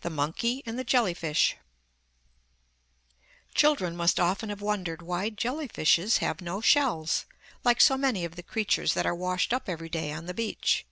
THE MONKEY AND THE JELLY FISH Children must often have wondered why jelly fishes have no shells, like so many of the creatures that are washed up every day on the beach.